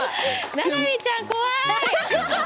ななみちゃん怖い。